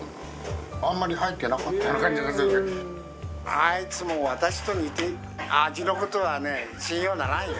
あいつも私と似て味の事はね信用ならんよ。